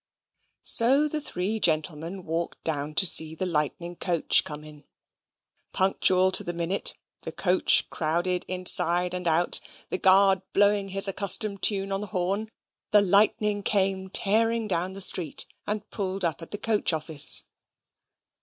So the three gentlemen walked down to see the Lightning coach come in. Punctual to the minute, the coach crowded inside and out, the guard blowing his accustomed tune on the horn the Lightning came tearing down the street, and pulled up at the coach office.